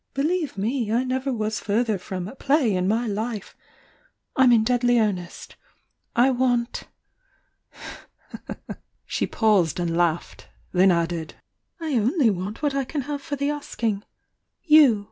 Believe me, I never was further M ' I 862 THE YOUNG DIANA from 'play' in my life! I'm in dfadly earnest! I want——" She paused and laughed— tiien added. "I only want what I can have for the aakmg you!"